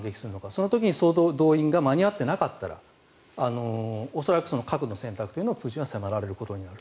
その時に動員が間に合っていなかったら恐らく核の選択というのをプーチンは迫られることになる。